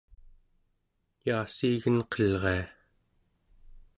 yaassiigenqelria